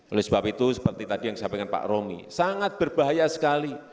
oleh sebab itu seperti tadi yang disampaikan pak romi sangat berbahaya sekali